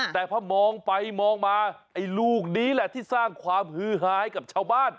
แต่พอมองไปมองมาไอ้ลูกนี้แหละที่สร้างความฮือฮาให้กับชาวบ้าน